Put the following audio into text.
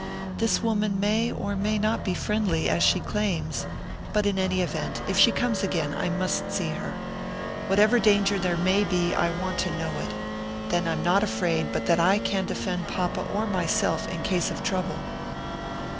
This woman may or may not be friendly, as she claims, but in any event, if she comes again, I must see her. Whatever danger there may be I want to know it; then I'm not afraid but that I can defend papa or myself in case of trouble."